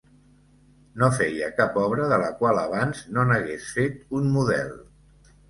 No feia cap obra de la qual abans no n'hagués fet un model.